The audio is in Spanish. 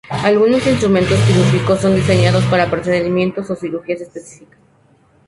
Algunos instrumentos quirúrgicos son diseñados para procedimientos o cirugías específicas.